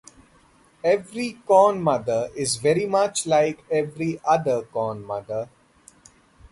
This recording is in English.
Every corn mother is very much like every other corn mother.